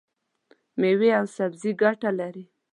مېوې او سبزي ګټه لري.